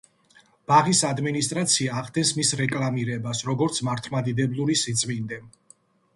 ბაღის ადმინისტრაცია ახდენს მის რეკლამირებას, როგორც მართლმადიდებლური სიწმინდე.